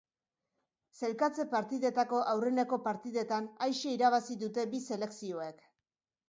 Sailkatze partidetako aurreneko partidetan aise irabazi dute bi selekzioek.